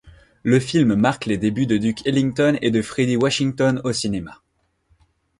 Le film marque les débuts de Duke Ellington et de Fredi Washington au cinéma.